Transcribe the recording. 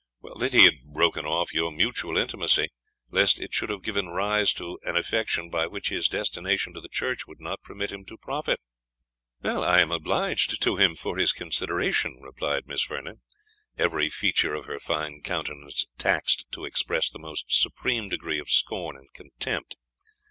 "That he had broken off your mutual intimacy, lest it should have given rise to an affection by which his destination to the church would not permit him to profit." "I am obliged to him for his consideration," replied Miss Vernon, every feature of her fine countenance taxed to express the most supreme degree of scorn and contempt.